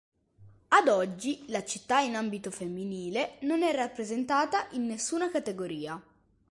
Ad oggi, la città in ambito femminile, non è rappresentata in nessuna categoria.